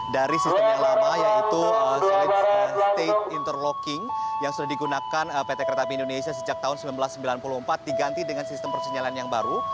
dari sistem yang lama yaitu state interlocking yang sudah digunakan pt kereta api indonesia sejak tahun seribu sembilan ratus sembilan puluh empat diganti dengan sistem persinyalan yang baru